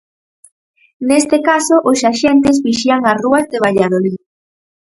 Neste caso os axentes vixían as rúas de Valladolid.